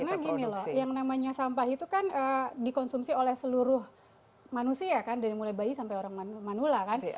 karena gini loh yang namanya sampah itu kan dikonsumsi oleh seluruh manusia kan dari mulai bayi sampai orang manula kan